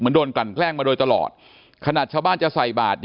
โดนกลั่นแกล้งมาโดยตลอดขนาดชาวบ้านจะใส่บาท